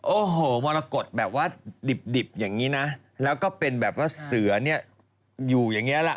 โอ้โหมรกฏแบบว่าดิบอย่างนี้นะแล้วก็เป็นแบบว่าเสือเนี่ยอยู่อย่างนี้ล่ะ